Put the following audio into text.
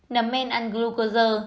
nấm men ăn glucosa